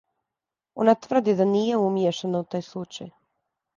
Она тврди да није умијешана у тај случај.